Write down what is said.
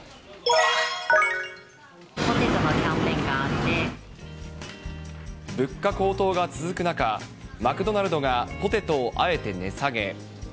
ポテトのキャンペーンがあっ物価高騰が続く中、マクドナルドがポテトをあえて値下げ。